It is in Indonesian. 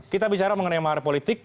kita bicara mengenai mahar politik